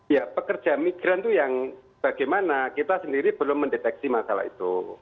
ya pekerja migran itu yang bagaimana kita sendiri belum mendeteksi masalah itu